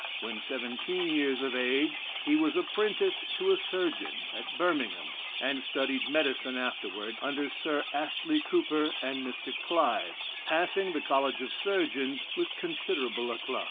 When seventeen years of age, he was apprenticed to a surgeon, at Birmingham, and studied medicine afterwards under Sir Astley Cooper and Mr. Clive, passing the College of Surgeons with considerable eclat.